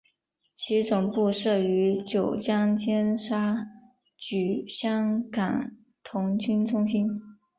其总部设于九龙尖沙咀香港童军中心。